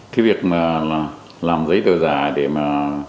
cái việc làm giấy tờ giả để mà